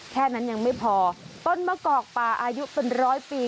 แค่นั้นยังไม่พอต้นมะกอกป่าอายุเป็นร้อยปี